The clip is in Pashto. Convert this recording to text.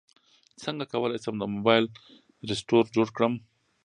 څنګه کولی شم د موبایل رسټور جوړ کړم